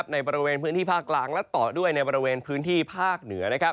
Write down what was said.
ในบริเวณพื้นที่ภาคกลางและต่อด้วยในบริเวณพื้นที่ภาคเหนือ